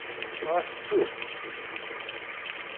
Ɣas ttut-t.